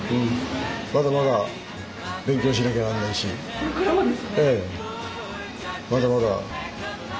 これからもですね。